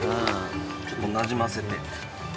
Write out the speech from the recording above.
ちょっとなじませて。